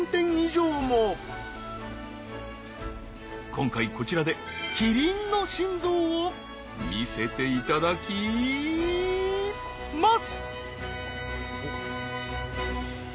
今回こちらでキリンの心臓を見せていただきマス！